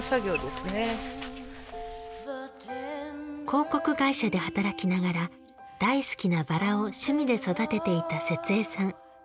広告会社で働きながら大好きなバラを趣味で育てていた節江さん。